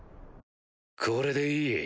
これでいい。